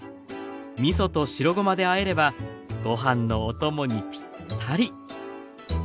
みそと白ごまであえればご飯のお供にぴったり。